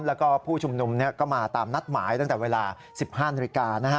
แล้วก็ผู้ชุมนุมก็มาตามนัดหมายตั้งแต่เวลา๑๕นาฬิกา